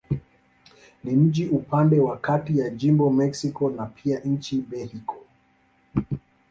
Ni mji upande wa kati ya jimbo Mexico na pia nchi Mexiko.